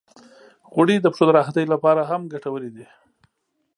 غوړې د پښو د راحتۍ لپاره هم ګټورې دي.